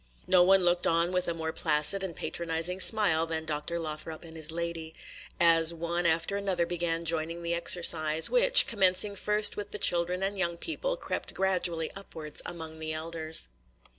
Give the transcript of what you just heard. No one looked on with a more placid and patronizing smile than Dr. Lothrop and his lady, as one after another began joining the exercise, which, commencing first with the children and young people, crept gradually upwards among the elders.